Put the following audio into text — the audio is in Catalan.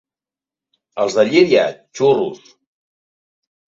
Els de Llíria, xurros.